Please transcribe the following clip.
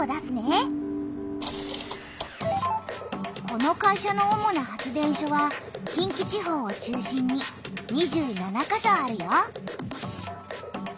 この会社の主な発電所は近畿地方を中心に２７か所あるよ。